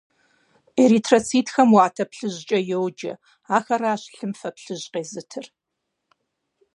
Эритроцитхэм уэтэ плъыжькӏэ йоджэ. Ахэращ лъым фэ плъыжь къезытыр.